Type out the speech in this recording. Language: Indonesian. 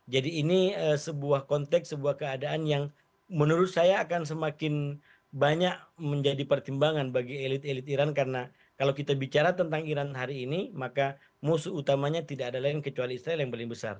jadi ini sebuah konteks sebuah keadaan yang menurut saya akan semakin banyak menjadi pertimbangan bagi elit elit iran karena kalau kita bicara tentang iran hari ini maka musuh utamanya tidak ada lain kecuali israel yang paling besar